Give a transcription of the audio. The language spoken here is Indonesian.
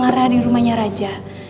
clara di rumahnya raja